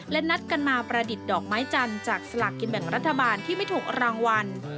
และนัดกันมาประดิษฐ์ดอกไม้จันทร์จากสลากกินแบ่งรัฐบาลที่ไม่ถูกรางวัล